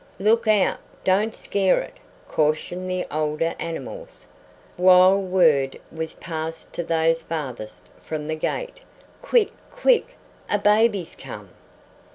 "Look out; don't scare it," cautioned the older animals, while word was passed to those farthest from the gate: "Quick! Quick! A baby's come!"